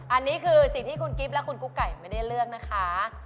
อันนี้คือสิ่งที่คุณกิ๊บและคุณกุ๊กไก่ไม่ได้เลือกนะคะ